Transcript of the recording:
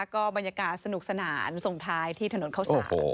ก็บรรยากาศสนุกสนานส่งท้ายที่ถนนเข้าสาร